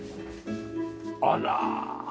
あら！